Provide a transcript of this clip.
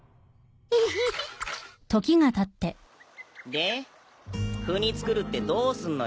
で国造るってどうすんのよ？